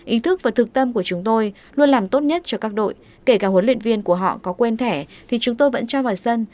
ý thức và thực tâm của chúng tôi luôn làm tốt nhất cho các đội kể cả huấn luyện viên của họ có quen thẻ thì chúng tôi vẫn cho vào sân